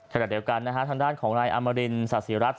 ข้าใจเหล่องั้นทางด้านของรายอมารินสตศรีรัตน์